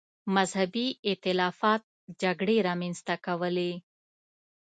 مذهبي اختلافات جګړې رامنځته کولې.